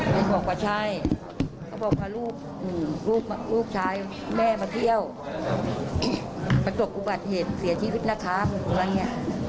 ก็บอกว่าใช่เขาบอกว่าลูกลูกลูกชายแม่มาเที่ยวประจกอุบัติเหตุเสียชีวิตหน้าค้าหรืออะไรเนี่ย